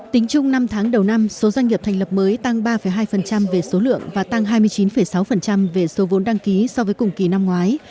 tính chung năm tháng đầu năm số doanh nghiệp thành lập mới tăng ba hai về số lượng và tăng hai mươi chín sáu về số vốn đăng ký so với cùng kỳ năm ngoái